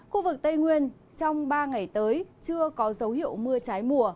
khu vực tây nguyên trong ba ngày tới chưa có dấu hiệu mưa trái mùa